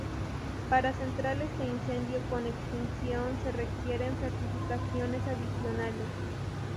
Para centrales de incendio con extinción, se requieren certificaciones adicionales.